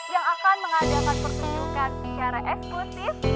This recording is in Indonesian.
yang akan mengadakan pertunjukan secara eksklusif